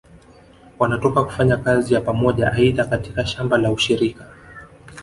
Wanatoka kufanya kazi ya Pamoja aidha katika shamba la ushirika